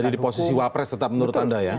jadi di posisi wapres tetap menurut anda ya